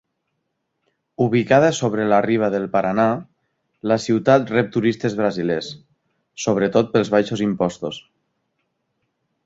Ubicada sobre la riba del Paranà, la ciutat rep turistes brasilers, sobretot pels baixos impostos.